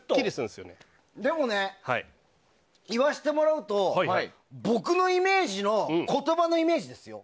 でもね、言わしてもらうと僕の、言葉のイメージですよ。